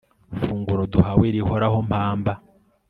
funguro duhawe rihoraho, mpamba